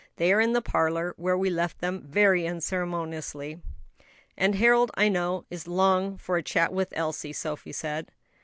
"They are in the parlor, where we left them very unceremoniously." "And Harold, I know, is longing for a chat with Elsie," Sophie said.